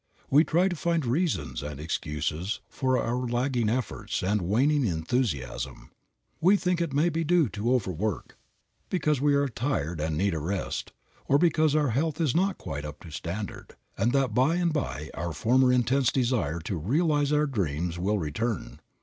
We try to find reasons and excuses for our lagging efforts and waning enthusiasm. We think it may be due to over work; because we are tired and need a rest, or because our health is not quite up to standard, and that by and by our former intense desire to realize our dreams will return.